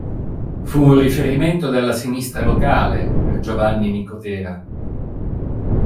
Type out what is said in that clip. Fu un riferimento della sinistra locale, per Giovanni Nicotera.